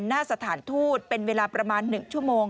หน้าสถานทูตเป็นเวลาประมาณ๑ชั่วโมง